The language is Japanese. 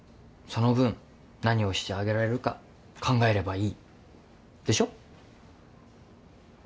その分何をしてあげられるか考えればいい。でしょ？